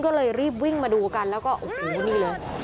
ก็เลยรีบวิ่งมาดูกันแล้วก็โอ้โหนี่เลย